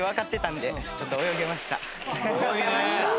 「泳げました」。